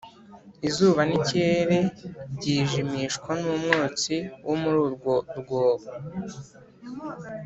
izuba n’ikirere byijimishwa n’umwotsi wo muri urwo rwobo.